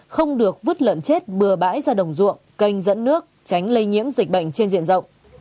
không được vứt lợn chết bừa bãi ra đồng ruộng canh dẫn nước tránh lây nhiễm dịch bệnh trên diện rộng